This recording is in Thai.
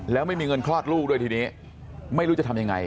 แล้วไม่มีเงินคลอดลูกด้วยทีนี้ไม่รู้จะทำยังไง